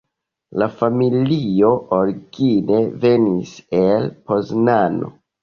La familio origine venis el Poznano.